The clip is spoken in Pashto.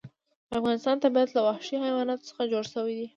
د افغانستان طبیعت له وحشي حیواناتو څخه جوړ شوی دی.